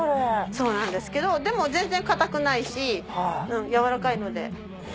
そうなんですけどでも全然かたくないしやわらかいので。